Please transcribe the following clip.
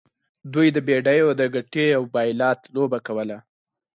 دوی د بیډیو د ګټې او بایلات لوبه کوله.